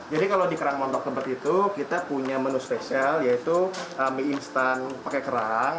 jadi kalau di kerang montok tempat itu kita punya menu spesial yaitu mie instan pakai kerang